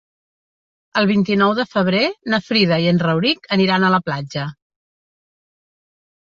El vint-i-nou de febrer na Frida i en Rauric aniran a la platja.